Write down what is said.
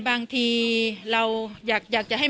กินโทษส่องแล้วอย่างนี้ก็ได้